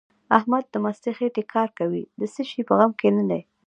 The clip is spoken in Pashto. احمد د مستې خېټې کار کوي؛ د څه شي په غم کې نه دی.